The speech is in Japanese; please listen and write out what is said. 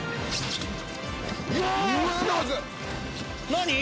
何？